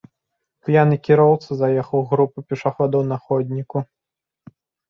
П'яны кіроўца заехаў у групу пешаходаў на ходніку.